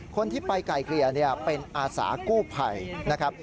คนที่ไปไกลเกลี่ยเป็นอาสากู้ภัยนะครับ